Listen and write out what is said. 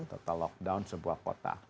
total lockdown sebuah kota